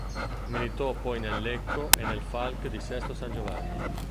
Militò poi nel Lecco e nel Falck di Sesto San Giovanni.